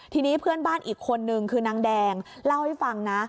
ทีนี้เพื่อนบ้านอีกคนนึงคือนางแดงเล่าให้ฟังนะ